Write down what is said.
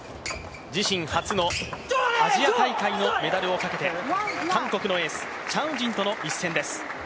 自身初のアジア大会のメダルをかけて、韓国のエース、チャン・ウジンとの一戦です。